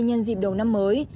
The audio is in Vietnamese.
nhân dịp đầu năm mới